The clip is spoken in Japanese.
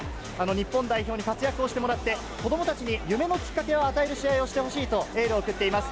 日本代表に活躍をしてもらって、子どもたちに夢のきっかけを与える試合をしてほしいと、エールを送っています。